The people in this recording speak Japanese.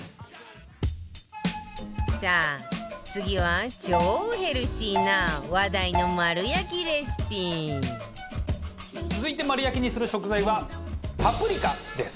さあ次は超ヘルシーな話題の丸焼きレシピ続いて丸焼きにする食材はパプリカです。